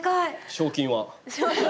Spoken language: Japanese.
賞金は？